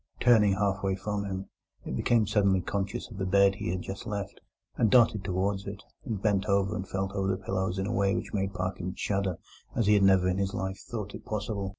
Turning half away from him, it became suddenly conscious of the bed he had just left, and darted towards it, and bent and felt over the pillows in a way which made Parkins shudder as he had never in his life thought it possible.